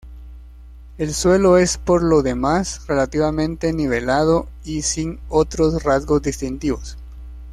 El suelo es por lo demás relativamente nivelado y sin otros rasgos distintivos.